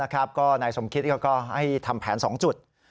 ก็นายสมคิตเขาก็ให้ทำแผน๒จุด